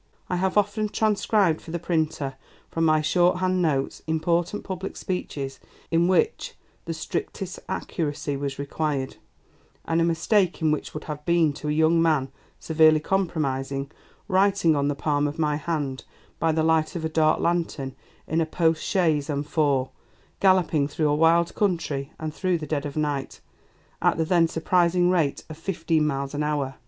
I have often transcribed for the printer, from my shorthand notes, important public speeches in which the strictest accuracy was required, and a mistake in which would have been to a young man severely compromising, writing on the palm of my hand, by the light of a dark lantern, in a post chaise and four, galloping through a wild country, and through the dead of the night, at the then surprising rate of fifteen miles an hour.